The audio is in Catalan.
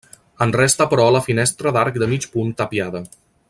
En resta però la finestra d'arc de mig punt tapiada.